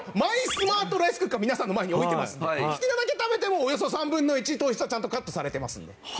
スマートライスクッカー皆さんの前に置いていますので好きなだけ食べてもおよそ３分の１糖質はちゃんとカットされていますので。